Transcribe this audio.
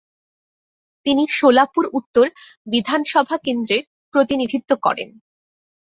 তিনি সোলাপুর উত্তর বিধানসভা কেন্দ্রের প্রতিনিধিত্ব করেন।